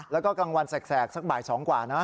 แล้วก็กลางวันแสกสักบ่าย๒กว่านะ